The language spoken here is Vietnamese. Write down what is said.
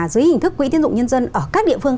dưới hình thức quỹ tiến dụng nhân dân ở các địa phương